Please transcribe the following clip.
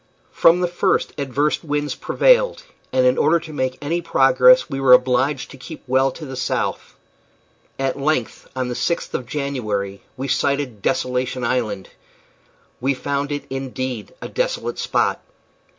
From the first adverse winds prevailed, and in order to make any progress we were obliged to keep well to the south. At length, on the 6th of January, we sighted Desolation Island. We found it, indeed, a desolate spot.